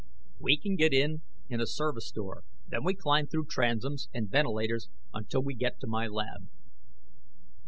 "We can get in a service door. Then we climb through transoms and ventilators until we get to my lab."